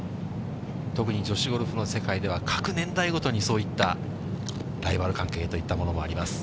特に女子ゴルフの世界では、各年代ごとにそういったライバル関係といったものもあります。